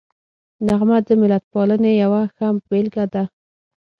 نغمه د ملتپالنې یوه ښه بېلګه ده